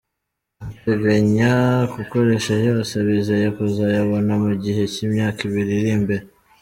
bateganya gukoresha yose bizeye kuzayabona mu gihe cy’imyaka ibiri iri imbere